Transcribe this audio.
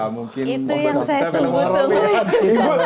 itu yang saya tunggu tunggu